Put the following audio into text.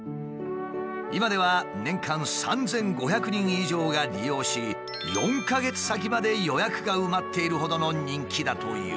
今では年間３，５００人以上が利用し４か月先まで予約が埋まっているほどの人気だという。